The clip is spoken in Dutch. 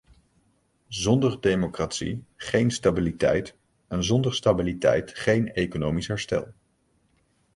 Zonder democratie geen stabiliteit en zonder stabiliteit geen economisch herstel.